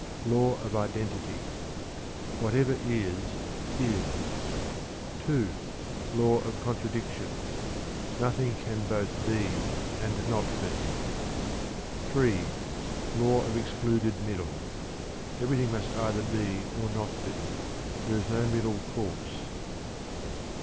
Law of Identity. "Whatever is, is." II. Law of Contradiction. "Nothing can both be and not be." III. Law of Excluded Middle. "Everything must either be or not be; there is no middle course."